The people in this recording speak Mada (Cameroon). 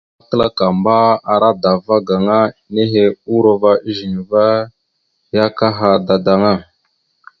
Zlama kǝlakamba, ara dava gaŋa nehe urova ezine va ya akaha dadaŋa.